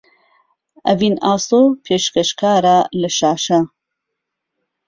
ئەڤین ئاسۆ پێشکەشکارە لە شاشە